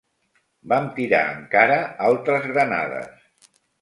Vam tirar encara altres granades